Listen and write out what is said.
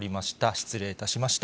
失礼いたしました。